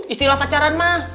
istilah pacaran mah